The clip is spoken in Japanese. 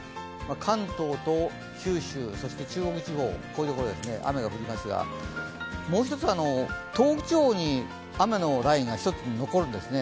関東と九州、そして中国地方で雨が降りますが、もう一つ、東北地方に雨のラインが一つ残るんですね。